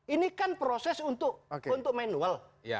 ini kan proses untuk manual